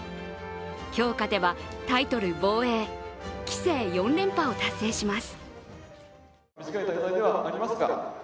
今日勝てば、タイトル防衛棋聖４連覇を達成します。